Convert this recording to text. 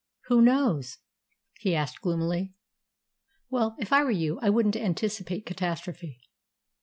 Who knows?" he asked gloomily. "Well, if I were you I wouldn't anticipate catastrophe."